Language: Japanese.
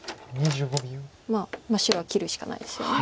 まあ白は切るしかないですよね。